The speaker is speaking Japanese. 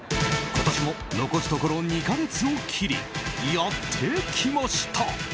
今年も残すところ２か月を切りやってきました